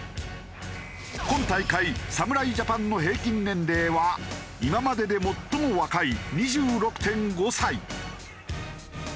今大会侍ジャパンの平均年齢は今までで最も若い２６．５歳。